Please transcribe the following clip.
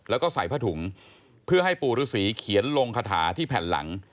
แล้วก็ใส่ผ้าถุงเพื่อให้ปู่ฤษีเขียนลงคาถาที่แผ่นหลัง